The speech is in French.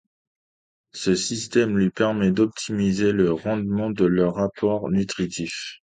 Ce système leur permet d'optimiser le rendement de leurs apports nutritifs.